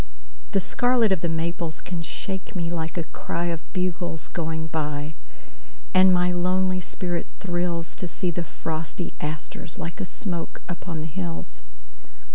The scarlet of the maples can shake me like a cryOf bugles going by. And my lonely spirit thrillsTo see the frosty asters like a smoke upon the hills.